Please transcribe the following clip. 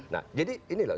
nah jadi ini loh